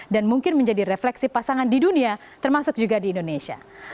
dan mungkin menjadi refleksi pasangan di dunia termasuk juga di indonesia